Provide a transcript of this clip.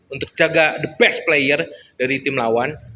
untuk jaga the best player dari tim lawan